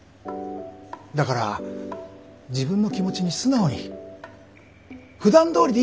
だから自分の気持ちに素直にふだんどおりでいいと私は思う。